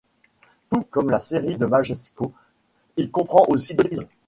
Tout comme la série de Majecso, elle comprend aussi deux épisodes.